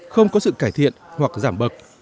không có sự cải thiện hoặc giảm bậc